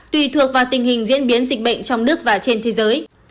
tùy thuộc vào tình hình diễn biến dịch bệnh trong nước và trên thế giới